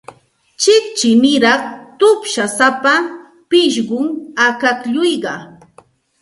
Chiqchiniraq tupshusapa pishqum akaklluqa.